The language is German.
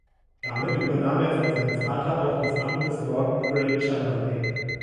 Damit übernahm er von seinem Vater auch das Amt des Lord Great Chamberlain.